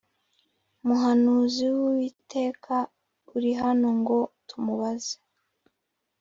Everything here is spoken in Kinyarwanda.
muhanuzi w Uwiteka uri hano ngo tumubaze